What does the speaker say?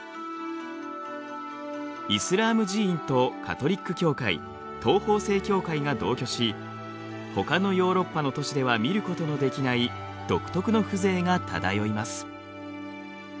イスラーム寺院とカトリック教会東方正教会が同居しほかのヨーロッパの都市では見ることのできない独特の風情が漂います。